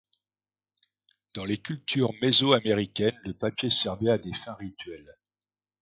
Dans les cultures mésoaméricaines le papier servait à des fins rituelles.